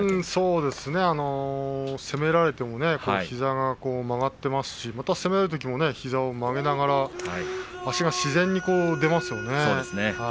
そうですね攻められても膝が曲がっていますし攻めるときも膝を曲げながら足が自然に出ますものね。